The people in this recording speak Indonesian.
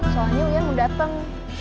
soalnya uyan mau dateng